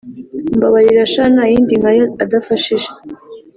mbabarira sha n’ayandi nk’ayo adafashije.